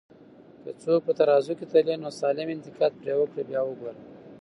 که څوک په ترازو کي تلې، نو سالم انتقاد پرې وکړه بیا وګوره